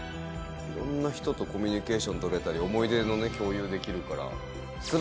色んな人とコミュニケーション取れたり思い出のね共有できるから素晴らしい。